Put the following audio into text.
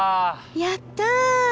やった！